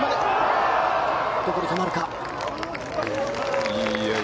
どこで止まるか。